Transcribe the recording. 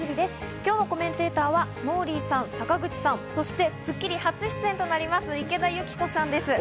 今日のコメンテータはモーリーさん、坂口さん、そして『スッキリ』初出演となります、池田有希子さんです。